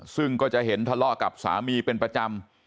ซึ่งก็จะเห็นทะเลาะกับสามีเป็นประจำ